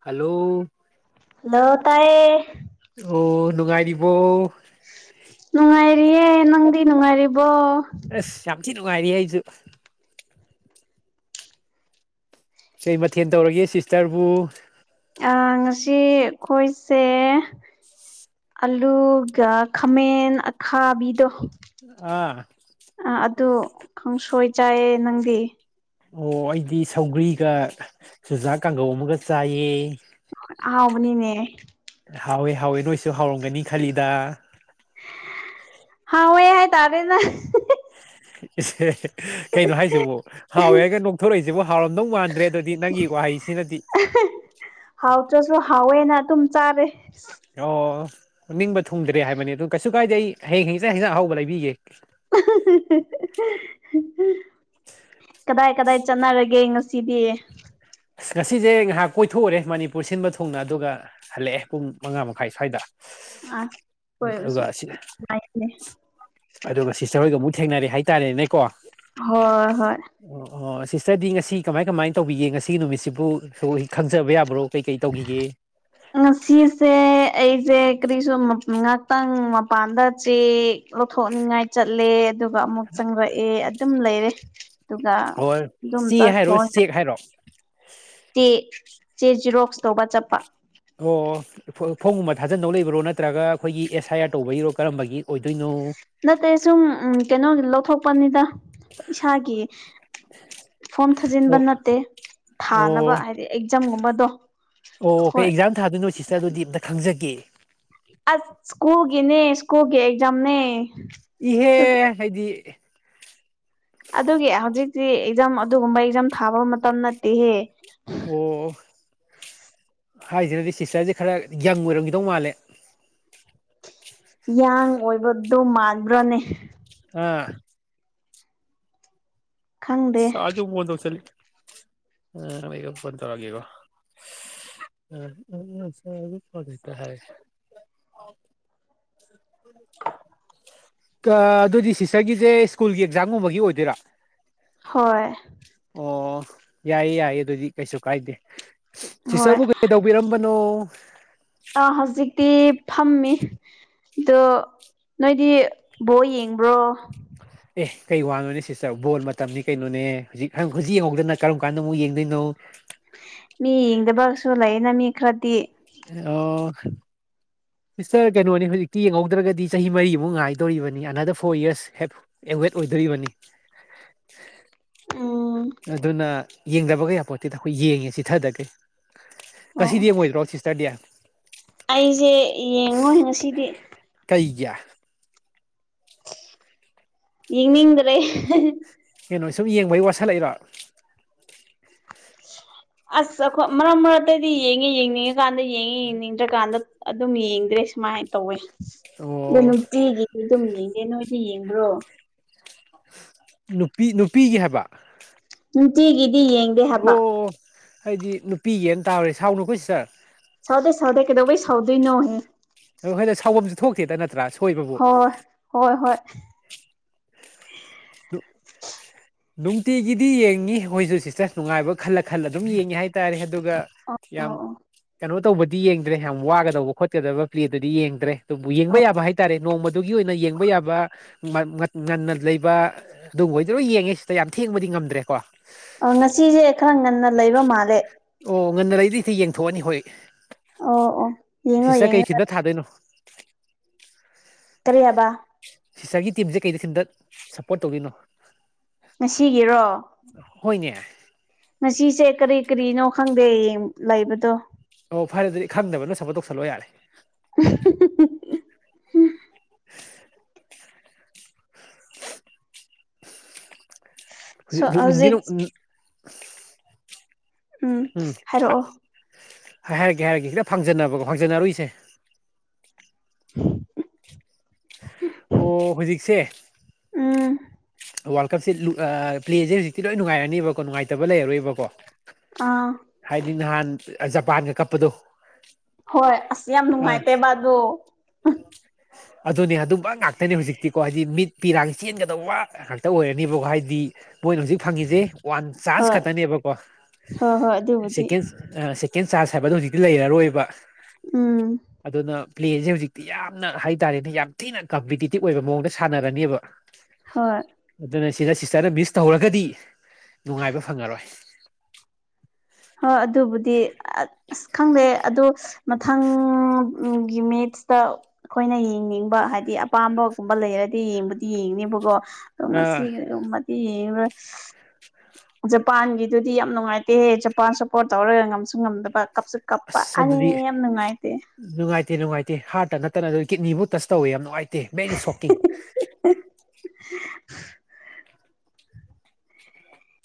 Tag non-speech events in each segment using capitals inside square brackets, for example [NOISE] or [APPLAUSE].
Hello hello ꯇꯥꯏꯌꯦ ꯑꯣ ꯅꯨꯡꯉꯥꯏꯔꯤꯕꯣ ꯅꯨꯡꯉꯥꯏꯔꯤꯌꯦ ꯅꯪꯗꯤ ꯅꯨꯡꯉꯥꯏꯔꯤꯕꯣ ꯑꯁ ꯌꯥꯝ ꯊꯤ ꯅꯨꯡꯉꯥꯏꯔꯤꯌꯦ ꯑꯩꯁꯨ ꯀꯩ ꯃꯊꯦꯟ ꯇꯧꯔꯒꯦ ꯁꯤꯁꯇꯔꯕꯨ ꯑꯤ ꯉꯁꯤ ꯑꯩꯈꯣꯏꯁꯦ ꯑꯂꯨꯒ ꯈꯥꯃꯦꯟ ꯑꯈꯥꯕꯤꯗꯣ ꯑꯥ ꯑꯥ ꯑꯗꯨ ꯈꯪꯁꯣꯏ ꯆꯥꯏꯌꯦ ꯅꯪꯗꯤ ꯑꯣ ꯑꯩꯗꯤ ꯁꯧꯒ꯭ꯔꯤꯒ ꯆꯨꯖꯥꯛ ꯀꯥꯡꯒꯧ ꯑꯃꯒ ꯆꯥꯏꯌꯦ ꯑꯍꯥꯎꯕꯅꯤꯅꯦ ꯍꯥꯎꯋꯦ ꯍꯥꯎꯋꯦ ꯅꯣꯏꯁꯨ ꯍꯥꯎꯔꯝꯒꯅꯤ ꯈꯜꯂꯤꯗ ꯍꯥꯎꯋꯦ ꯍꯥꯏ ꯇꯥꯔꯦꯅ [INAUDIBLE] ꯀꯩꯅꯣ ꯍꯥꯏꯁꯤꯕꯨ ꯍꯥꯎꯋꯦꯒ ꯅꯣꯛꯊꯣꯔꯛꯏꯁꯤꯕꯨ ꯍꯥꯎꯔꯝꯗꯧ ꯃꯥꯟꯗ꯭ꯔꯦ ꯑꯗꯨꯗꯤ ꯅꯪꯒꯤ ꯋꯥꯍꯩꯁꯤꯅꯗꯤ ꯍꯥꯎꯇ꯭ꯔꯁꯨ ꯍꯥꯎꯋꯦꯅ ꯑꯗꯨꯝ ꯆꯥꯔꯦ ꯑꯣ ꯅꯤꯡꯕ ꯊꯨꯡꯗ꯭ꯔꯦ ꯍꯥꯏꯕꯅꯤ ꯑꯗꯨ ꯀꯩꯁꯨ ꯀꯥꯏꯗꯦ ꯑꯩ ꯍꯌꯦꯡ ꯍꯪꯁꯠ ꯑꯍꯧꯕ ꯂꯩꯕꯤꯒꯦ [INAUDIBLE] ꯀꯗꯥꯏ ꯀꯗꯥꯏ ꯆꯠꯅꯔꯒꯦ ꯉꯁꯤꯗꯤ ꯑꯁ ꯉꯁꯤꯁꯦ ꯉꯥꯏꯍꯥꯛ ꯀꯣꯏꯊꯣꯛꯎꯔꯦ ꯃꯅꯤꯄꯨꯔ ꯁꯤꯟꯕ ꯊꯨꯡꯅ ꯑꯗꯨꯒ ꯍꯜꯂꯛꯑꯦ ꯄꯨꯡ ꯃꯉꯥ ꯃꯈꯥꯏ ꯁ꯭ꯋꯥꯏꯗ ꯑꯗꯨꯒ ꯁꯤ [UNINTELLIGIBLE] ꯑꯗꯨꯒ ꯁꯤꯁꯇꯔ ꯍꯣꯏꯒ ꯑꯃꯨꯛ ꯊꯦꯡꯅꯔꯦ ꯍꯥꯏꯇꯥꯔꯦꯅꯦ ꯀꯣ ꯍꯣꯏ ꯍꯣꯏ ꯑꯣ ꯑꯣ ꯁꯤꯁꯇꯔꯗꯤ ꯉꯁꯤ ꯀꯃꯥꯏ ꯀꯃꯥꯏꯅ ꯇꯧꯕꯤꯒꯦ ꯉꯁꯤꯒꯤ ꯅꯨꯃꯤꯠꯁꯤꯕꯨ ꯈꯪꯖꯕ ꯌꯥꯕ꯭ꯔꯣ ꯀꯩꯀꯩ ꯇꯧꯈꯤꯒꯦ ꯉꯥꯁꯤꯁꯦ ꯑꯩꯁꯦ ꯀꯔꯤꯁꯨ ꯉꯍꯥꯛꯇꯪ ꯃꯄꯥꯟꯗ ꯆꯦꯛ ꯂꯧꯊꯣꯛꯅꯤꯡꯉꯥꯏ ꯆꯠꯂꯦ ꯑꯗꯨꯒ ꯑꯃꯨꯛ ꯆꯪꯔꯛꯑꯦ ꯑꯗꯨꯝ ꯂꯩꯔꯦ ꯑꯗꯨꯒ ꯑꯣꯔ ꯑꯗꯨꯝ ꯆꯦ ꯆꯥꯛ ꯍꯥꯏꯔꯣ ꯆꯦꯛ ꯍꯥꯏꯔꯣ ꯇꯦ ꯆꯦ ꯖꯤꯔꯣꯛꯁ ꯇꯧꯕ ꯆꯠꯄ ꯑꯣ ꯐꯣꯝꯒꯨꯝꯕ ꯊꯥꯖꯟꯗꯧ ꯂꯩꯕ꯭ꯔꯣ ꯅꯠꯇ꯭ꯔꯒ ꯑꯩꯈꯣꯏꯒꯤ ꯑꯦꯁ ꯑꯥꯏ ꯑꯥꯔ ꯇꯧꯕꯒꯤꯔꯣ ꯀꯔꯝꯕꯒꯤ ꯑꯣꯏꯗꯣꯏꯅꯣ ꯅꯠꯇꯦ ꯁꯨꯝ ꯀꯩꯅꯣ ꯂꯧꯊꯣꯛꯄꯅꯤꯗ ꯏꯁꯥꯒꯤ ꯐꯣꯝ ꯊꯥꯖꯤꯟꯕ ꯑꯣ ꯅꯠꯇꯦ ꯑꯣ ꯊꯥꯅꯕ ꯍꯥꯏꯗꯤ ꯑꯦꯛꯖꯥꯝꯒꯨꯝꯕꯗꯣ ꯑꯣ ꯀꯩ ꯍꯣꯏ ꯑꯦꯛꯖꯥꯝ ꯊꯥꯣꯏꯅꯣ ꯁꯤꯁꯇꯔ ꯑꯗꯨꯗꯤ ꯑꯝꯇ ꯈꯪꯖꯒꯦ ꯑꯁ ꯁ꯭ꯀꯨꯜꯒꯤꯅꯦ ꯁ꯭ꯀꯨꯜꯒꯤ ꯑꯦꯛꯖꯥꯝꯅꯦ ꯏꯍꯦ ꯑꯗꯨꯒꯤ ꯍꯥꯏꯗꯤ ꯑꯗꯨꯒꯤ ꯍꯧꯖꯤꯛꯇꯤ ꯑꯦꯛꯖꯥꯝ ꯑꯗꯨꯒꯨꯝꯕ ꯑꯦꯛꯖꯥꯝ ꯊꯥꯕ ꯃꯇꯝ ꯅꯠꯇꯦꯍꯦ ꯑꯣ ꯍꯥꯏꯁꯤꯖꯤꯅꯗꯤ ꯁꯤꯁꯇꯔꯁꯦ ꯈꯔ ꯌꯪ ꯑꯣꯏꯔꯝꯈꯤꯗꯧ ꯃꯥꯜꯂꯦ ꯌꯥꯡ ꯑꯣꯏꯕꯗꯣ ꯃꯥꯟꯕ꯭ꯔꯅꯦ ꯑꯥ ꯈꯪꯗꯦ ꯂꯥꯔꯖꯨ ꯑꯃꯨꯛ ꯐꯣꯟ ꯇꯧꯁꯤꯜꯂꯛꯑꯦ ꯐꯣꯟ ꯇꯧꯔꯛꯑꯒꯦꯀꯣ [UNINTELLIGIBLE] ꯑꯗꯨꯗꯤ ꯁꯤꯁꯇꯔꯒꯤꯁꯦ ꯁ꯭ꯀꯨꯜꯒꯤ ꯑꯦꯛꯖꯥꯝꯒꯨꯝꯕꯒꯤ ꯑꯣꯏꯗꯣꯏꯔꯥ ꯍꯣꯏ ꯑꯣ ꯌꯥꯏꯌꯦ ꯌꯥꯏꯌꯦ ꯑꯗꯨꯗꯤ ꯀꯩꯁꯨ ꯀꯥꯏꯗꯦ ꯍꯣꯏ ꯁꯤꯤꯁꯔꯕꯨ ꯀꯩꯗ ꯇꯧꯕꯤꯔꯝꯕꯅꯣ ꯑꯥ ꯍꯧꯖꯤꯛꯇꯤ ꯐꯝꯃꯤ ꯑꯗꯣ ꯅꯣꯏꯗꯤ ꯕꯣ ꯌꯦꯡꯕ꯭ꯔꯣ ꯑꯦ ꯀꯩ ꯋꯥꯅꯣꯅꯦ ꯁꯤꯁꯇꯔ ꯕꯣꯜ ꯃꯇꯝꯅꯤ ꯀꯩꯅꯣꯅꯦ ꯍꯨꯖꯤꯛ ꯍꯨꯖꯤꯛ ꯌꯦꯡꯍꯧꯗꯅ ꯀꯔꯝ ꯀꯥꯟꯗ ꯑꯃꯨꯛ ꯌꯦꯡꯗꯣꯏꯅꯣ ꯃꯤ ꯌꯦꯡꯗꯕꯁꯨ ꯂꯩꯌꯦꯅ ꯃꯤ ꯈꯔꯗꯤ ꯑꯣ ꯁꯤꯁꯇꯔ ꯀꯩꯅꯣꯅꯤ ꯍꯧꯖꯤꯛꯇꯤ ꯌꯦꯡꯉꯧꯗ꯭ꯔꯒꯗꯤ ꯆꯍꯤ ꯃꯔꯤꯃꯨꯛ ꯉꯥꯏꯗꯣꯔꯤꯕꯅꯤ ꯑꯅꯗꯔ ꯐꯣꯔ ꯌꯔꯁ ꯍꯦꯞ ꯑꯦꯋꯦꯠ ꯑꯣꯏꯗꯣꯔꯤꯕꯅꯤ ꯎꯝ ꯑꯗꯨꯅ ꯌꯦꯡꯗꯕ ꯌꯥꯄꯣꯠꯇꯦꯗ ꯈꯣꯏ ꯌꯦꯡꯉꯦ ꯆꯤꯊꯗꯒꯩ ꯉꯁꯤꯗꯤ ꯌꯦꯡꯉꯣꯏꯗ꯭ꯔꯣ ꯁꯤꯁꯇꯔꯗꯤ ꯑꯩꯖꯦ ꯌꯦꯡꯉꯣꯏ ꯉꯁꯤꯗꯤ ꯀꯩꯒꯤ ꯌꯦꯅꯤꯡꯗ꯭ꯔꯦ ꯀꯩꯅꯣ ꯁꯨꯝ ꯌꯦꯡꯕꯩ ꯋꯥꯁꯜꯂꯛꯏꯔꯣ ꯑꯁ ꯑꯈꯣ ꯃꯔꯛ ꯃꯔꯛꯇꯗꯤ ꯌꯦꯡꯉꯤ ꯌꯦꯡꯅꯤꯡꯉꯀꯥꯟꯗ ꯌꯦꯡꯉꯤ ꯌꯦꯡꯅꯤꯡ ꯗ꯭ꯔꯀꯥꯟꯗ ꯑꯗꯨꯝ ꯌꯦꯡꯗ꯭ꯔꯦ ꯁꯨꯃꯥꯏ ꯇꯧꯋꯦ ꯗꯣ ꯑꯣ ꯅꯨꯡꯇꯤꯒꯤ ꯃꯤ ꯗꯨꯝ ꯌꯦꯡꯗꯦ ꯅꯣꯏꯗꯤ ꯌꯦꯡꯕ꯭ꯔꯣ ꯅꯨꯄꯤ ꯅꯨꯄꯤꯒꯤ ꯍꯥꯏꯕ ꯅꯨꯇꯤꯒꯤꯗꯤ ꯌꯦꯡ ꯑꯣ ꯑꯩꯗꯤ ꯅꯨꯄꯤꯒꯤ ꯇꯥꯎꯔꯦ ꯁꯥꯎꯅꯨꯀꯣ ꯁꯤꯁꯇꯔ ꯁꯥꯎꯗꯦ ꯁꯥꯎꯗꯦ ꯀꯩꯗꯧꯕꯩ ꯁꯥꯎꯗꯣꯏ ꯅꯍꯦ ꯑ ꯍꯣꯏꯅꯦ ꯁꯥꯎꯕꯝꯁꯨ ꯊꯣꯛꯇꯦꯗ ꯅꯠꯇ꯭ꯔꯥ ꯁꯣꯏꯕꯕꯨ ꯍꯣꯏ ꯍꯣꯏ ꯍꯣꯏ [INAUDIBLE] ꯅꯨꯡꯇꯤꯒꯤꯗꯤ ꯌꯦꯡꯉꯤ ꯑꯈꯣꯏꯖꯨ ꯁꯤꯁꯇ ꯅꯨꯡꯉꯥꯏꯕ ꯈꯜꯂ ꯈꯜꯂ ꯑꯗꯨꯝ ꯌꯦꯡꯉꯤ ꯍꯥꯏꯇꯥꯔꯦ ꯑꯗꯨꯒ ꯑꯣ ꯌꯥꯝ ꯑꯣ ꯀꯅꯣ ꯇꯧꯕꯗꯤ ꯌꯦꯡꯗ꯭ꯔꯦ ꯌꯥꯝ ꯋꯥꯒꯗꯧꯕ ꯈꯣꯠꯀꯗꯕ ꯄ꯭ꯂꯦꯗꯨꯗꯤ ꯌꯦꯡꯗ꯭ꯔꯦ ꯑꯗꯨꯕꯨ ꯌꯦꯡꯕ ꯌꯥꯕ ꯍꯥꯏꯇꯥꯔꯦ ꯅꯣꯡꯃꯗꯨꯒꯤ ꯑꯣꯏꯅ ꯌꯦꯡꯕ ꯌꯥꯕ ꯉꯟꯅ ꯂꯩꯕ ꯑꯗꯨꯕꯨ ꯑꯣꯏꯗꯤ ꯂꯣꯏ ꯌꯦꯡꯉꯤ ꯁꯤꯁꯗ ꯌꯥꯝ ꯊꯦꯡꯕꯗꯤ ꯉꯝꯗ꯭ꯔꯦꯀꯣ ꯑ ꯉꯁꯤꯖꯦ ꯈꯔ ꯉꯟꯅ ꯂꯩꯕ ꯃꯥꯜꯂꯦ ꯑꯣ ꯉꯟꯅ ꯂꯩꯗꯤ ꯇ ꯌꯦꯡꯊꯣꯛꯑꯅꯤ ꯍꯣꯏ ꯑꯣ ꯑꯣ ꯌꯦꯡꯉꯣ ꯁꯤꯁꯇ ꯌꯦꯡꯉꯣ ꯀꯩ ꯊꯤꯟꯗ ꯊꯥꯗꯣꯏꯅꯣ ꯀꯔꯤ ꯍꯥꯕ ꯁꯤꯁꯇꯒꯤ ꯇꯤꯝꯖꯦ ꯀꯩꯗ ꯊꯤꯟꯗ ꯄꯣꯠ ꯇꯧꯒꯤꯅꯣ ꯉꯁꯤꯒꯤꯔꯣ ꯍꯣꯏꯅꯦ ꯉꯁꯤꯁꯦ ꯀꯔꯤ ꯀꯔꯤꯅꯣ ꯈꯪꯗꯦ ꯌꯦꯡ ꯂꯩꯕꯗꯣ ꯑꯣ ꯐꯔꯦ ꯗꯨꯗꯤ ꯈꯪꯗꯕꯅ ꯁꯕꯣꯠ ꯇꯧꯁꯜꯂꯣ ꯌꯥꯔꯦ [UNINTELLIGIBLE] [INAUDIBLE] ꯁꯣ ꯍꯨꯖꯤꯛ ꯅꯨꯡꯗꯤ ꯍꯧꯖꯤꯛ ꯅꯨꯡ ꯎꯝ ꯍꯥꯏ ꯍꯥꯏꯔꯒꯦ ꯍꯥꯏꯔꯒꯦ ꯈꯤꯇ ꯐꯥꯡꯖꯟꯅꯕꯀꯣ ꯐꯥꯡꯖꯟꯅꯔꯣꯏꯁꯦ [INAUDIBLE] ꯑꯣ ꯍꯨꯖꯤꯛꯁꯦ ꯎꯝ ꯋꯥꯔꯜ ꯀꯞꯁꯦ ꯂꯨ ꯑꯥ ꯄ꯭ꯂꯦꯖꯦ ꯍꯧꯖꯤꯛꯇꯤ ꯂꯣꯏ ꯅꯨꯡꯉꯥꯏꯔꯅꯤꯕꯀꯣ ꯅꯨꯡꯉꯥꯏꯇꯕ ꯂꯩꯔꯔꯣꯏꯕꯀꯣ ꯑꯥ ꯍꯥꯏꯗꯤ ꯅꯍꯥꯟ ꯖꯄꯥꯟꯒ ꯀꯞꯄꯗꯣ ꯍꯣꯏ ꯑꯁ ꯌꯥꯝ ꯑ ꯅꯨꯡꯉꯥꯏꯇꯦ ꯕꯥꯗꯣ꯫ [INAUDIBLE] ꯑꯗꯨꯅꯦ ꯑꯗꯨꯝꯕ ꯉꯥꯛꯇꯅꯦ ꯍꯧꯖꯤꯛꯇꯤꯀꯣ ꯍꯥꯏꯗꯤ ꯃꯤꯠ ꯄꯤꯔꯥꯡ ꯆꯦꯟꯒꯗꯧꯕ ꯉꯥꯛꯇ ꯑꯣꯏꯔꯅꯤꯕꯀꯣ ꯍꯥꯏꯗꯤ ꯃꯣꯏꯅ ꯍꯧꯖꯤꯛ ꯐꯪꯉꯤꯁꯦ ꯋꯥꯟ ꯆꯥꯟꯁ ꯍꯣꯏ ꯈꯛꯇꯅꯦꯕꯀꯣ ꯍꯣꯏ ꯍꯣꯏ ꯑꯗꯨꯕꯨꯗꯤ ꯁꯦꯀꯦꯟ ꯑꯥ ꯁꯦꯀꯦꯟ ꯆꯥꯔꯖ ꯍꯥꯏꯕꯗꯣ ꯍꯧꯖꯤꯛꯇꯤ ꯂꯩꯔꯔꯣꯏꯕ ꯎꯝ ꯑꯗꯨꯅ ꯄ꯭ꯂꯦꯟꯁꯦ ꯍꯧꯖꯤꯛꯇꯤ ꯌꯥꯝ ꯅ ꯍꯥꯏ ꯇꯔꯦꯅꯦ ꯌꯥꯝ ꯊꯤꯅ ꯀꯝꯄꯤꯇꯤꯇꯤꯚ ꯑꯣꯏꯕ ꯃꯑꯣꯡꯗ ꯁꯥꯟꯅꯔꯅꯤꯕ꯫ ꯍꯣꯏ ꯑꯗꯨꯅ ꯁꯤꯗ ꯁꯤꯁꯇꯔꯗ ꯃꯤꯁ ꯇꯧꯍꯧꯔꯒꯗꯤ ꯅꯨꯡꯉꯥꯏꯕ ꯐꯪꯉꯔꯣꯏ꯫ ꯍꯣꯏ ꯑꯗꯨꯕꯨꯗꯤ ꯑꯁ ꯈꯪꯗꯦ ꯑꯗꯪ ꯃꯊꯪ ꯒꯤ ꯃꯦꯠꯁꯇ, ꯑꯈꯣꯏꯅ ꯌꯦꯡꯅꯤꯡꯕ ꯍꯥꯏꯗꯤ ꯑꯄꯥꯝꯕꯒꯨꯝꯕ ꯂꯩꯔꯗꯤ ꯌꯦꯡꯕꯨꯗꯤ ꯌꯦꯡꯅꯦꯕꯀꯣ꯫ ꯑꯗꯣ ꯉꯁꯤ ꯑꯥ ꯒꯨꯝꯕꯗꯤ ꯌꯦꯡꯉꯔꯣꯏ꯫ [INAUDIBLE] ꯖꯄꯥꯟꯒꯤꯗꯨꯗꯤ ꯌꯥꯝ ꯅꯨꯡꯉꯥꯏꯇꯦꯍꯦ ꯖꯄꯥꯟ ꯁꯞꯄꯣꯔꯠ ꯇꯧꯔꯒ ꯉꯝꯁꯨ ꯉꯝꯗꯕ꯫ ꯀꯞꯁꯨ ꯀꯞꯄ ꯑꯁ ꯑꯔꯦ ꯑꯗꯨꯗꯤ ꯌꯥꯝ ꯅꯨꯡꯉꯥꯏꯇꯦ꯫ ꯅꯨꯡꯉꯥꯏꯇꯦ ꯅꯨꯡꯉꯥꯏꯇꯦ ꯍꯥꯔꯠꯇ ꯅꯠꯇꯅ ꯑꯗꯨ ꯀꯤꯠꯅꯤꯕꯨ ꯇꯁ ꯇꯧꯋꯦ ꯌꯥꯝ ꯅꯨꯡꯉꯥꯏꯇꯦ ꯕꯦꯔꯤ ꯁꯣꯛꯀꯤꯡ꯫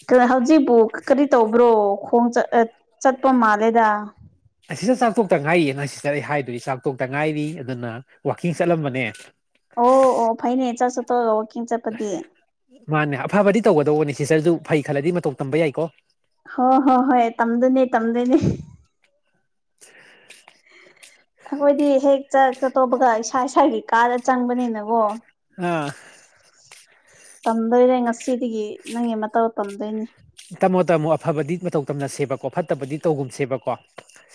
ꯗꯨꯅꯦ ꯍꯧꯖꯤꯛꯄꯨ ꯀꯔꯤ ꯇꯧꯕ꯭ꯔꯣ ꯈꯣꯡ ꯆꯠꯄ ꯃꯥꯜꯂꯦꯗ? ꯑꯁꯤꯗ ꯆꯥꯛꯊꯣꯛꯇ ꯉꯥꯏꯔꯤꯌꯦ [UNINTELLIGIBLE] ꯍꯥꯏꯗꯨꯗꯤ ꯆꯥꯛꯇꯣꯛꯇ ꯉꯥꯏꯔꯤ ꯑꯗꯨꯅ ꯋꯥꯛꯀꯤꯡ ꯆꯠꯂꯝꯕꯅꯦ꯫ ꯑꯣ ꯑꯣ ꯐꯩꯅꯦ ꯆꯛꯁꯨ ꯇꯣꯛꯑꯒ ꯋꯥꯛꯀꯤꯡ ꯆꯠꯄꯗꯤ꯫ ꯃꯥꯅꯦ ꯑꯐꯕꯗꯤ ꯇꯧꯒꯗꯧꯕꯅꯦ ꯁꯤꯁꯇꯔꯗꯨ ꯐꯩ ꯈꯜꯂꯗꯤ ꯃꯇꯧ ꯇꯝꯕ ꯌꯥꯏꯀꯣ꯫ ꯍꯣ ꯍꯣ ꯍꯣꯏ ꯇꯝꯗꯣꯏꯅꯦ ꯇꯝꯗꯣꯏꯅꯦ꯫ [INAUDIBLE] ꯑꯈꯣꯏꯗꯤ ꯍꯦꯛ ꯆꯥꯛ ꯆ ꯇꯣꯄꯒ ꯏꯁꯥ ꯏꯁꯥꯒꯤ ꯀꯥꯗ ꯆꯪꯕꯅꯤꯅꯀꯣ꯫ ꯑꯥ ꯇꯝꯗꯣꯏꯔꯦ ꯉꯁꯤꯗꯒꯤ ꯅꯪꯒꯤ ꯃꯇꯧ ꯇꯝꯗꯣꯏꯅꯤ꯫ ꯇꯥꯝꯃꯣ ꯇꯥꯝꯃꯣ ꯑꯐꯕꯗꯤ ꯃꯇꯧ ꯇꯝꯅ ꯁꯦꯕꯀꯣ ꯐꯠꯇꯕꯗꯤ ꯇꯧꯒꯨꯝ ꯁꯦꯕꯀꯣ꯫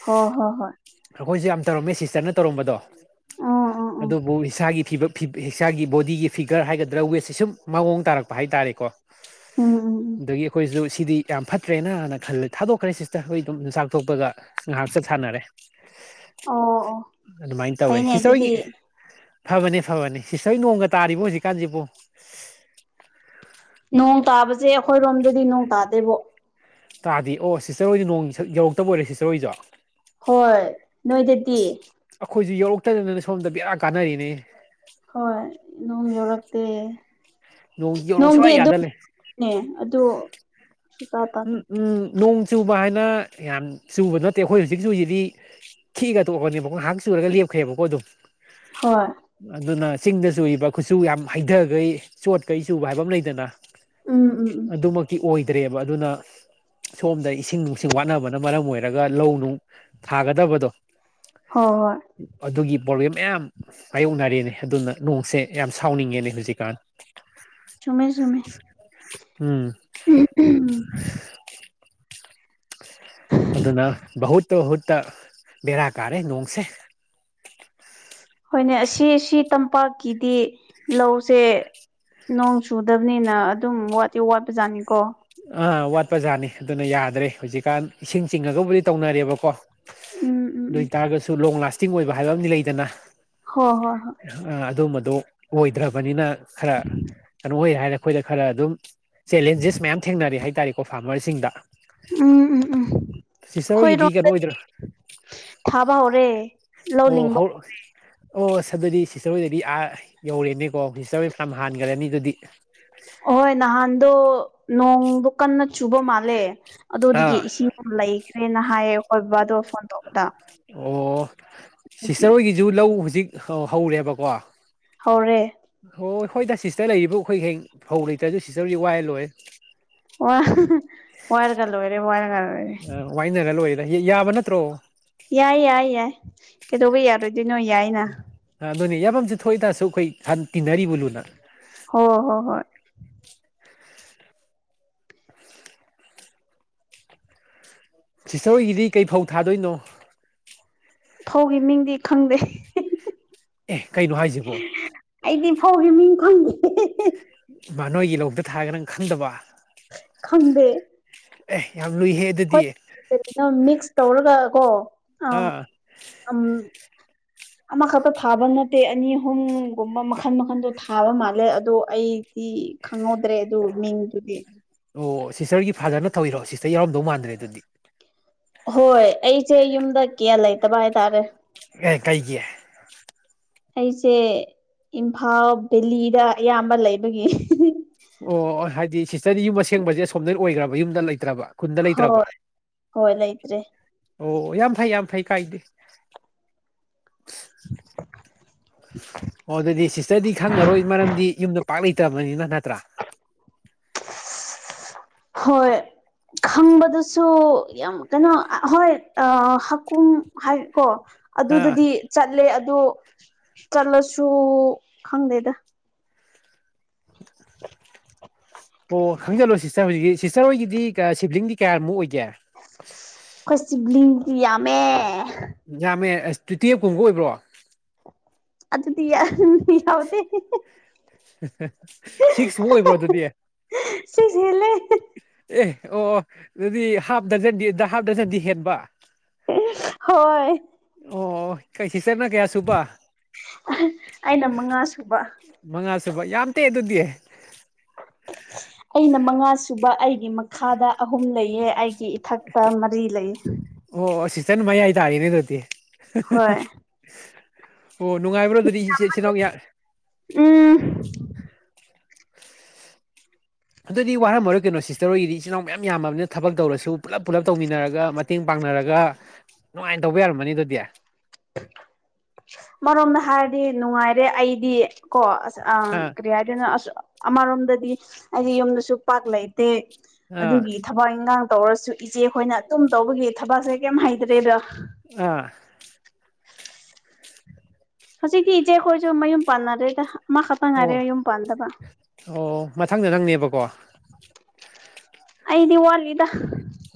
ꯍꯣ ꯍꯣ ꯍꯣꯏ ꯑꯈꯣꯏꯁꯨ ꯌꯥꯝ ꯇꯧꯔꯝꯃꯦ ꯁꯤꯁꯇꯔꯅ ꯇꯧꯔꯝꯕꯗꯣ ꯎꯝ ꯎꯝ ꯎꯝ ꯑꯗꯨꯕꯨ ꯏꯁꯥꯒꯤ ꯐꯤꯕꯝ ꯏꯁꯥꯒꯤ ꯕꯣꯗꯤꯒꯤ ꯐꯤꯒꯔ ꯍꯥꯏꯒꯗ꯭ꯔꯥ ꯋꯦꯠꯁꯦ ꯁꯨꯝ ꯃꯑꯣꯡ ꯇꯥꯔꯛꯄ ꯍꯥꯏꯇꯥꯥꯔꯦꯀꯣ꯫ ꯎꯝ ꯎꯝ ꯎꯝ ꯎꯝ ꯈꯣꯏꯁꯨ ꯁꯤꯗꯤ ꯌꯥꯝ ꯐꯠꯇ꯭ꯔꯦꯅꯅ ꯈꯜꯂꯦ ꯊꯥꯗꯣꯛꯈ꯭ꯔꯦ ꯁꯤꯁꯇꯔ ꯍꯣꯏ ꯗꯨꯝ ꯆꯥꯛ ꯇꯣꯛꯄꯒ ꯉꯥꯏꯍꯥꯛ ꯆꯠ ꯁꯥꯟꯅꯔꯦ ꯑꯣ ꯑꯣ ꯑꯗꯨꯃꯥꯏꯅ ꯇꯧꯋꯦ ꯐꯩꯅꯦ ꯍꯤꯇꯔ ꯍꯣꯏꯒꯤ ꯑꯗꯨꯗꯤ ꯐꯕꯅꯦ ꯐꯕꯅꯦ, ꯁꯤꯁꯇꯔ ꯍꯣꯏ ꯅꯣꯡꯒ ꯇꯥꯔꯤꯕꯣ ꯍꯧꯖꯤꯛꯀꯥꯟꯁꯤꯕꯨ? ꯅꯣꯡ ꯇꯥꯕꯁꯦ ꯑꯩꯈꯣꯏꯔꯣꯝꯗꯗꯤ ꯅꯣꯡ ꯇꯥꯗꯦꯕꯣ꯫ ꯇꯥꯗꯤ ꯑꯣ ꯁꯤꯁꯇꯔ ꯍꯣꯏꯗꯤ ꯅꯣꯡ ꯌꯧꯔꯛꯇꯕ ꯑꯣꯏꯔꯦ ꯁꯤꯁꯇꯔ ꯍꯣꯏꯁꯨ꯫ ꯍꯣꯏ, ꯅꯣꯏꯗꯗꯤ? ꯑꯈꯣꯏꯁꯨ ꯌꯧꯔꯛꯇꯗꯅ ꯁꯣꯝꯗ ꯕꯦꯔꯥ ꯀꯥꯟꯅꯔꯤꯅꯦ꯫ ꯍꯣꯏ ꯅꯣꯡ ꯌꯧꯔꯛꯇꯦ꯫ ꯅꯣꯡ ꯌꯧꯔꯣ ꯁꯨꯡꯌꯥ ꯌꯥꯗ ꯂꯩꯔꯦ꯫ ꯅꯦ ꯑꯗꯣ ꯎꯝ ꯎꯝ ꯅꯣꯡ ꯆꯨꯕ ꯍꯥꯏꯅ ꯌꯥꯝ ꯆꯨꯕ ꯅꯠꯇꯦ ꯈꯣꯏ ꯍꯧꯖꯤꯛ ꯆꯨꯔꯤꯁꯤꯗꯤ, ꯈꯤꯛꯑꯒ ꯇꯣꯛꯄꯅꯦꯕꯀꯣ ꯉꯍꯥꯛ ꯆꯨꯔꯒ ꯂꯦꯞꯈ꯭ꯔꯦꯕꯀꯣ ꯑꯗꯨꯝ꯫ ꯍꯣꯏ ꯑꯗꯨꯅ ꯆꯤꯡꯗ ꯆꯨꯔꯤꯕ ꯈꯨꯠꯁꯨ ꯌꯥꯝ ꯍꯩꯊꯈꯩ ꯆꯣꯠꯈꯩ ꯆꯨꯕ ꯍꯥꯏꯕ ꯑꯃ ꯂꯩꯗꯅ꯫ ꯎꯝ ꯎꯝ ꯎꯝ꯫ ꯀꯤ ꯑꯣꯏꯗ꯭ꯔꯦꯕ ꯑꯗꯨꯅ ꯁꯣꯝꯗ ꯏꯁꯤꯡ ꯅꯨꯡꯁꯤꯡ ꯋꯥꯠꯅꯕ ꯑꯗꯨꯅ ꯃꯔꯝ ꯑꯣꯏꯔꯒ ꯂꯧ ꯅꯨꯡ ꯊꯥꯒꯗꯕꯗꯣ꯫ ꯍꯣꯏ ꯍꯣꯏ꯫ ꯑꯗꯨꯒꯤ ꯄ꯭ꯔꯣꯕ꯭ꯂꯦꯝ ꯃꯌꯥꯝ꯫ ꯃꯥꯌꯣꯛꯅꯔꯤꯦꯅꯦ ꯑꯗꯨꯅ ꯅꯣꯡꯁꯦ ꯌꯥꯝ ꯁꯥꯎꯅꯤꯡꯉꯦꯅꯦ ꯍꯧꯖꯤꯛꯀꯥꯟ꯫ ꯆꯨꯝꯃꯦ ꯆꯨꯝꯃꯦ꯫ ꯎꯝ ꯎꯝ [UNINTELLIGIBLE] ꯑꯗꯨꯅ ꯨꯕꯍꯨꯠꯇ ꯍꯨꯠꯇ ꯕꯦꯔꯥ ꯀꯥꯔꯦ ꯅꯣꯡꯁꯦ꯫ ꯍꯣꯏꯅꯦ ꯑꯁꯤ ꯁꯤ ꯇꯝꯄꯥꯛꯀꯤꯗꯤ ꯂꯧꯁꯦ꯫ ꯅꯣꯡ ꯆꯨꯗꯕꯅꯤꯅ ꯑꯗꯨꯝ ꯋꯥꯗꯤ ꯋꯥꯠꯄꯖꯥꯠꯅꯤꯀꯣ꯫ ꯑꯥ ꯋꯥꯠꯄ ꯖꯥꯠꯅꯤ ꯑꯗꯨꯅ ꯌꯥꯗ꯭ꯔꯦ ꯍꯧꯖꯤꯛꯀꯥꯟ ꯏꯁꯤꯡ ꯆꯤꯡꯉꯒꯕꯨꯗꯤ ꯇꯧꯅꯔꯦꯕꯀꯣ꯫ ꯎꯝ ꯎꯝ ꯎꯝ ꯑꯗꯣꯏ ꯇꯥꯔꯒꯁꯨ ꯂꯣꯡ ꯂꯥꯁꯇꯤꯡ ꯑꯣꯏꯕ ꯍꯥꯏꯕ ꯑꯃꯥꯗꯤ ꯂꯩꯗꯅ꯫ ꯍꯣꯏ ꯍꯣꯏ ꯍꯣꯏ꯫ ꯑ ꯑꯗꯨꯝꯕꯗꯨꯣ ꯑꯣꯏꯗ꯭ꯔꯕꯅꯤꯅ ꯈꯔ ꯀꯩꯅꯣ ꯑꯣꯏ ꯍꯥꯏꯔ ꯑꯩꯈꯣꯏꯗ ꯈꯔ ꯑꯗꯨꯝ ꯆꯦꯂꯦꯟꯖꯦꯁ ꯃꯌꯥꯝ ꯊꯦꯡꯅꯔꯦ ꯍꯥꯏꯇꯥꯔꯦꯀꯣ ꯐꯥꯔꯃꯔꯁꯤꯡꯗ꯫ ꯎꯝ ꯎꯝ ꯎꯝ ꯁꯤꯁꯇꯔ ꯍꯣꯏꯒꯤꯗꯤ ꯀꯩꯅꯣ ꯈꯣꯏꯔꯣꯝꯗꯗꯤ꯫ ꯑꯣꯏꯗ꯭ꯔꯣ ꯊꯥꯕ ꯍꯧꯔꯦ ꯂꯧ ꯑꯣ ꯂꯤꯡꯕ ꯍꯧ ꯍꯧꯔꯦ꯫ ꯑꯣ ꯑꯁ ꯑꯗꯨꯗꯤ ꯁꯤꯁꯇꯔ ꯍꯣꯏꯗꯗꯤ ꯑꯥ ꯌꯧꯔꯦꯅꯦꯀꯣ ꯁꯤꯁꯇꯔ ꯍꯣꯏ ꯐꯥꯅꯝ ꯍꯥꯟꯈ꯭ꯔꯅꯤ ꯑꯗꯨꯗꯤ꯫ ꯑꯍꯣꯏ ꯅꯍꯥꯟꯗꯣ ꯅꯣꯡꯗꯣ ꯀꯟꯅ ꯆꯨꯕ ꯃꯥꯜꯂꯦ ꯑꯗꯨꯗꯒꯤ ꯑꯥ ꯏꯁꯤꯡ꯫ ꯂꯩꯈ꯭ꯔꯦꯅ ꯍꯥꯏꯌꯦ ꯑꯩꯈꯣꯏ ꯕꯕꯥꯗꯣ ꯐꯣꯟ ꯇꯧꯕꯗ꯫ ꯑꯣ ꯑꯗꯨꯒꯤ ꯁꯤꯁꯇꯔ ꯍꯣꯏꯒꯤꯖ ꯂꯧ ꯍꯧꯖꯤꯛ ꯍꯧꯔꯦꯕꯀꯣ꯫ ꯍꯧꯔꯦ꯫ ꯑꯣ ꯑꯩꯈꯣꯏꯗ ꯁꯤꯁꯇꯔ ꯂꯩꯔꯤꯕ ꯑꯩꯈꯣꯏ ꯍꯌꯦꯡ ꯐꯧ ꯂꯩꯇ꯭ꯔꯁꯨ ꯁꯤꯁꯇꯔꯗꯤ ꯋꯥꯏꯍꯜꯂꯣꯏꯑꯦ꯫ ꯋꯥ ꯋꯥꯏꯔꯒ ꯂꯣꯏꯔꯦ ꯋꯥꯏꯔꯒ ꯂꯣꯏꯔꯦ꯫ ꯋꯥꯏꯅꯔ ꯂꯣꯏꯔꯦꯗ ꯌꯥꯕ ꯅꯠꯇ꯭ꯔꯣ꯫ ꯌꯥꯏ ꯌꯥꯏ ꯌꯥꯏ ꯀꯩꯗꯧꯕ ꯌꯥꯔꯣꯏꯗꯣꯏꯅꯣ ꯌꯥꯏꯅ꯫ ꯑꯗꯨꯅꯦ ꯌꯥꯝꯐꯝꯁꯨ ꯊꯣꯛꯏ ꯑꯁꯨꯛ ꯀꯨꯏ ꯈꯟ ꯇꯤꯟꯅꯔꯤꯕꯨ ꯂꯨꯅ꯫ ꯍꯣ ꯍꯣ ꯍꯣꯏ꯫ ꯁꯤꯁꯇꯔ ꯍꯣꯏꯒꯤꯗꯤ ꯀꯩ ꯐꯧ ꯊꯥꯗꯣꯏꯅꯣ꯫ ꯐꯧꯒꯤ ꯃꯤꯡꯗꯤ ꯈꯪꯗꯦ꯫ ꯑꯦ ꯀꯩꯅꯣ ꯍꯥꯏꯁꯤꯕꯣ ꯑꯩꯗꯤ ꯐꯧꯒꯤ ꯃꯤꯡ ꯈꯪꯡꯗꯦ꯫ ꯃꯥ ꯅꯣꯏꯒꯤ ꯂꯧꯗ ꯊꯥꯒ ꯅꯪ ꯈꯪꯗꯕ꯫ ꯈꯪꯡꯗꯦ꯫ ꯑꯦ ꯌꯥꯝ ꯂꯨꯏꯍꯦ ꯑꯗꯨꯗꯤ꯫ ꯑꯗꯨꯝ ꯃꯤꯛꯁ ꯇꯧꯔꯒ ꯀꯣ ꯑ ꯑꯥ ꯎꯝ꯫ [INAUDIBLE] ꯑꯃꯈꯛꯇ ꯊꯥꯕ ꯅꯠꯇꯦ ꯑꯅꯤ ꯑꯍꯨꯝꯒꯨꯝꯕ ꯃꯈꯜ ꯃꯈꯟꯗꯣ ꯊꯥꯕ ꯃꯥꯜꯂꯦ ꯑꯗꯣ ꯑꯩ꯫ ꯗꯤ ꯈꯪꯍꯧꯗ꯭ꯔꯦ ꯑꯗꯨ ꯃꯤꯡꯗꯨꯗꯤ꯫ ꯑꯣ ꯁꯤꯁꯇꯔꯒꯤ ꯐꯥꯗꯔꯅ ꯇꯧꯔꯤꯔꯣ ꯁꯤꯁꯇꯔ ꯌꯥꯎꯔꯝꯗꯧ ꯃꯥꯟꯗ꯭ꯔꯦ ꯑꯗꯨꯗꯤ꯫ ꯍꯣꯏ ꯑꯩꯁꯦ ꯌꯨꯝꯗ ꯀꯌꯥ ꯂꯩꯇꯕ ꯍꯥꯏꯇꯥꯔꯦ꯫ ꯑꯦ ꯀꯩꯒꯤ꯫ ꯑꯩꯁꯦ ꯏꯝꯐꯥꯜ ꯕꯦꯂꯤꯗ ꯑꯌꯥꯝꯕ ꯂꯩꯕꯒꯤ꯫ ꯑꯣ ꯑꯣ ꯍꯥꯏꯗꯤ ꯁꯤꯁꯇꯔꯗꯤ ꯌꯨꯝ ꯑꯁꯦꯡꯕꯁꯦ ꯑꯁꯣꯝꯗ ꯑꯣꯏꯈ꯭ꯔꯕ ꯌꯨꯝꯗ ꯂꯩꯇ꯭ꯔꯕ꯫ ꯈꯨꯨꯟꯗ ꯂꯩꯇ꯭ꯔꯕ ꯍꯣꯏ ꯍꯣꯏ ꯂꯩꯇ꯭ꯔꯦ ꯑꯣ ꯌꯥꯝ ꯐꯩ ꯌꯥꯝ ꯐꯩ ꯀꯥꯏꯗꯦ꯫ [INAUDIBLE] ꯑꯣ ꯑꯗꯨꯗꯤ ꯁꯤꯁꯇꯔꯗꯤ ꯈꯪꯉꯔꯣꯏ ꯃꯔꯝꯗꯤ ꯌꯨꯝꯗ ꯄꯥꯛ ꯂꯩꯇꯕꯅꯤꯅ ꯅꯠꯇ꯭ꯔꯥ ꯍꯣꯏ ꯈꯪꯕꯗꯨꯁꯨ ꯌꯥꯝ ꯀꯩꯅꯣ ꯍꯣꯏ ꯑꯥ ꯍꯥꯀꯨꯝ ꯍꯥꯏ ꯀꯣ ꯑꯥ ꯑꯗꯨꯗꯗꯤ ꯆꯠꯂꯦ ꯑꯗꯨ ꯆꯠꯂꯁꯨ ꯈꯪꯗꯦꯗ ꯑꯣ ꯈꯪꯖꯜꯂꯣ ꯁꯤꯁꯇꯔ ꯍꯧꯖꯤꯛꯀꯤ ꯁꯤꯁꯇꯔ ꯍꯣꯏꯒꯤꯗꯤ ꯀꯥ ꯁꯤꯕ꯭ꯂꯤꯡꯗꯤ ꯀꯌꯥꯃꯨꯛ ꯑꯣꯏꯒꯦ ꯑꯩꯈꯣꯏ ꯁꯤꯕ꯭ꯂꯤꯡꯗꯤ ꯌꯥꯝꯃꯦ ꯌꯥꯝꯃꯦ ꯑꯁ ꯇꯨ ꯇꯨꯋꯦꯞ ꯀꯨꯝꯕꯒ ꯑꯣꯏꯕ꯭ꯔꯣ ꯑꯗꯨꯗꯤ [UNINTELLIGIBLE] ꯌꯧꯗꯦ ꯑꯍ ꯍ ꯁꯤꯛꯁ ꯃꯨꯛ ꯑꯣꯏꯕ꯭ꯔꯣ ꯑꯗꯨꯗꯤ ꯁꯤꯛꯁ ꯍꯦꯜꯂꯦ ꯑꯦ ꯑꯣ ꯑꯣ ꯑꯗꯨꯗꯤ ꯍꯥꯞ ꯗꯔꯖꯟꯗꯤ ꯗ ꯍꯥꯞ ꯗꯔꯖꯟꯗꯤ ꯍꯦꯟꯕ ꯍꯣꯏ ꯑꯣ ꯀꯩ ꯁꯤꯁꯇꯔꯅ ꯀꯌꯥ ꯁꯨꯕ ꯑꯩꯅ ꯃꯉꯥ ꯁꯨꯕ ꯃꯉꯥꯁꯨꯨꯕ ꯌꯥꯝ ꯇꯦ ꯑꯗꯨꯗꯤ [INAUDIBLE] ꯑꯩꯅ ꯃꯉꯥꯁꯨꯨꯕ ꯑꯩꯒꯤ ꯃꯈꯥꯗ ꯑꯍꯨꯝ ꯂꯩꯑꯦ ꯑꯩꯒꯤ ꯏꯊꯛꯇ ꯃꯔꯤ ꯂꯩꯌꯦ ꯑꯣ ꯁꯤꯁꯇꯔꯅ ꯃꯌꯥꯏ ꯇꯥꯔꯦꯅꯦ ꯑꯗꯨꯗꯤ ꯍ ꯍ ꯍ ꯍꯣꯏ ꯑꯣ ꯅꯨꯡꯉꯥꯏꯕ꯭ꯔꯣ ꯑꯗꯨꯗꯤ ꯏꯆꯦ ꯏꯆꯤꯟ ꯏꯅꯥꯎ ꯌꯥꯝ ꯎꯝ ꯑꯗꯨꯗꯤ ꯋꯥꯔꯝꯃꯔꯣꯏ ꯀꯩꯅꯣ ꯁꯤꯁꯇꯔ ꯍꯣꯏꯒꯤꯗꯤ ꯏꯆꯤꯟ ꯏꯅꯥꯎ ꯃꯌꯥꯝ ꯌꯥꯝꯃꯕꯅꯤꯅ ꯊꯕꯛ ꯇꯧꯔꯁꯨ ꯄꯨꯂꯞ ꯄꯨꯂꯞ ꯇꯧꯃꯤꯟꯅꯔꯒ ꯃꯠ ꯇꯦꯡ ꯄꯥꯡꯅꯔꯒ ꯅꯨꯡꯉꯥꯏꯅ ꯇꯧꯕ ꯌꯥꯔꯝꯃꯅꯤ ꯑꯗꯨꯗꯤ ꯑꯃꯔꯣꯝꯗ ꯍꯥꯏꯔꯗꯤ ꯅꯨꯡꯉꯥꯏꯔꯦ ꯑꯩꯗꯤ ꯀꯣ ꯑꯁ ꯑꯥ ꯀꯔꯤ ꯍꯥꯏꯗꯣꯏꯅꯣ ꯑꯁ ꯑꯃꯔꯣꯝꯗꯗꯤ ꯑꯩꯗꯤ ꯌꯨꯝꯗꯁꯨ ꯄꯥꯛ ꯂꯩꯇꯦ ꯑꯥ ꯑꯗꯨꯒꯤ ꯊ ꯊꯕꯛ ꯏꯟꯈꯥꯡ ꯇꯧꯔꯁꯨ ꯏꯆꯦ ꯈꯣꯏꯅ ꯑꯗꯨꯝ ꯇꯧꯕꯒꯤ ꯊꯕꯛꯁꯦ ꯀꯩꯝ ꯍꯩꯇ꯭ꯔꯦꯗ ꯑꯥ [INAUDIBLE] ꯍꯧꯖꯤꯛꯇꯤ ꯏꯆꯦ ꯈꯣꯏꯁꯨ ꯃꯌꯨꯝ ꯄꯥꯟꯅꯔꯦꯗ ꯑꯃ ꯈꯛꯇ ꯉꯥꯏꯔꯦ ꯑꯣ ꯃꯌꯨꯝ ꯄꯥꯟꯗꯕ ꯑꯣ ꯃꯊꯪꯗ ꯅꯪꯅꯦꯕꯀꯣ ꯑꯩꯗꯤ ꯋꯥꯠꯂꯤꯗ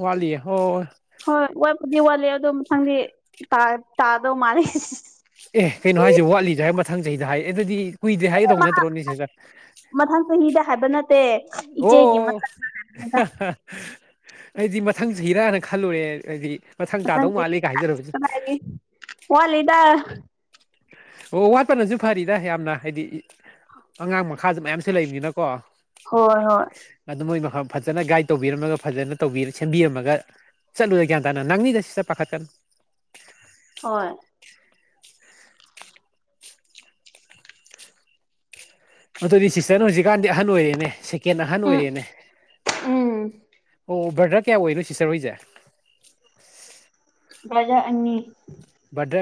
ꯋꯥꯠꯂꯤꯌꯦ ꯍꯣ ꯍꯣ ꯍꯣꯏ ꯍꯣꯏ ꯋꯥꯠꯄꯨꯗꯤ ꯋꯥꯠꯂꯤ ꯑꯗꯣ ꯃꯊꯪꯗꯤ ꯇꯥ ꯇꯥꯗꯧ ꯃꯥꯂꯤ ꯑꯦ ꯀꯩꯅꯣ ꯍꯥꯏꯖꯤ ꯋꯥꯠꯂꯤꯖꯨ ꯍꯥꯏ ꯃꯊꯪ ꯆꯍꯤꯗ ꯍꯥꯏ ꯑꯗꯨꯗꯤ ꯀꯨꯏꯗꯦ ꯍꯥꯏꯒꯗꯧ ꯅꯠꯇ꯭ꯔꯣꯅꯦ ꯁꯤꯁꯇꯔ ꯃꯊꯪ ꯆꯍꯤꯗ ꯍꯥꯏꯕ ꯅꯠꯇꯦ ꯑꯣ ꯑꯣ ꯏꯆꯦꯒꯤ ꯑꯣ ꯃꯊꯪꯅꯦꯗ ꯑꯍ ꯍ ꯑꯩꯗꯤ ꯃꯊꯪ ꯆꯍꯤꯔꯥꯅ ꯈꯜꯂꯨꯔꯦ ꯑꯩꯗꯤ ꯃꯊꯪ ꯇꯥꯗꯧ ꯃꯥꯜꯂꯤ ꯀꯥ ꯍꯥꯏꯖꯜꯂꯛꯄꯗꯨ ꯋꯥꯠꯂꯤꯗ ꯑꯣ ꯋꯥꯠꯄꯅꯖꯨ ꯐꯔꯤꯗ ꯌꯥꯝꯅ ꯍꯥꯏꯗꯤ ꯏ ꯑꯉꯥꯡ ꯃꯈꯥꯁꯨ ꯃꯌꯥꯝꯁꯨ ꯂꯩꯕꯅꯤꯅꯀꯣ ꯍꯣꯏ ꯍꯣꯏ ꯑꯗꯨ ꯃꯣꯏ ꯃꯐꯝ ꯐꯖꯅ ꯒꯥꯏꯗ ꯇꯧꯕꯤꯔꯝꯃꯒ ꯐꯖꯅ ꯇꯧꯕꯤ ꯁꯦꯝꯕꯤꯔꯝꯃꯒ ꯆꯠꯂꯨꯗ ꯒ꯭ꯌꯥꯟ ꯇꯥꯅ ꯅꯪꯅꯤꯗ ꯁꯤꯁꯇꯔ ꯄꯥꯈꯠꯀꯅꯨ ꯍꯣꯏ ꯑꯗꯨꯗꯤ ꯁꯤꯁꯇꯔꯅ ꯍꯧꯖꯤꯛꯀꯥꯟꯗꯤ ꯑꯍꯟ ꯑꯣꯏꯔꯦꯅꯦ ꯁꯦꯛ ꯀꯦꯟ ꯑꯍꯟ ꯎꯝ ꯑꯣꯏꯔꯦꯅꯦ ꯎꯝ ꯑꯣ ꯕ꯭ꯔꯗꯔ ꯀꯌꯥ ꯑꯣꯏꯔꯤꯅꯣ ꯁꯤꯁꯇꯔ ꯍꯣꯏꯁꯦ ꯕ꯭ꯔꯗꯔ ꯑꯅꯤ ꯕꯔꯗꯔ